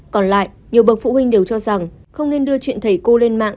còn lại nhiều bậc phụ huynh đều cho rằng không nên đưa chuyện thầy cô lên mạng